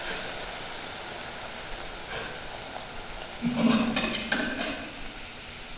ママって言ったんです。